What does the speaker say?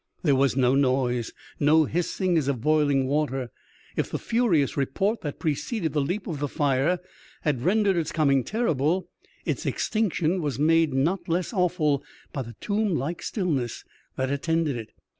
There was no noise : no hissing as of boiling water. If the furious report that preceded the leap of the fire had rendered its coming terrible, its extinction was made 28 EXTRAOBDINABY ADVENTURE OF A CHIEF MATR not less awful by the tomb like stillness that attended it.